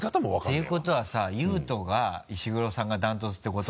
ていうことはさ悠人が石黒さんがダントツってこと？